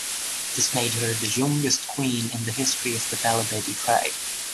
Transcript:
This made her the youngest Queen in the history of the Balobedu tribe.